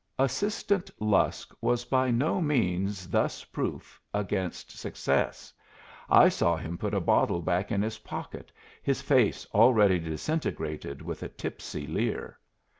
Assistant Lusk was by no means thus proof against success I saw him put a bottle back in his pocket, his face already disintegrated with a tipsy leer.